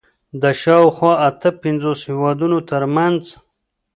د شاوخوا اته پنځوس هېوادونو تر منځ